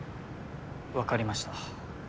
分かりました。